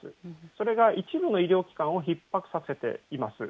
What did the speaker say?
それが一部の医療機関をひっ迫させています。